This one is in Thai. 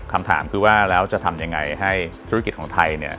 คำถามคือว่าแล้วจะทำยังไงให้ธุรกิจของไทยเนี่ย